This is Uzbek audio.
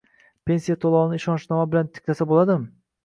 Pensiya to‘lovini ishonchnoma bilan tiklasa bo‘ladimi?